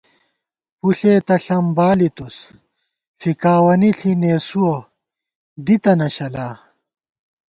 پُݪےتہ ݪم بالِیتُوس ، فِکاوَنی ݪِی نېسُوَہ دِتَنہ شَلا